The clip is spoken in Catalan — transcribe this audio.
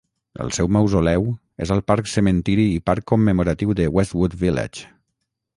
El seu mausoleu és al cementiri i parc commemoratiu de Westwood Village.